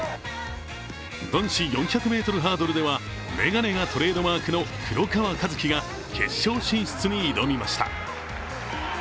男子４００ｍハードルでは、眼鏡がトレードマークの黒川和樹が決勝進出に挑みました。